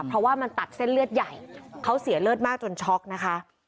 เพราะว่ามันตัดเส้นเลือดใหญ่เขาเสียเลือดมากจนช็อกนะคะ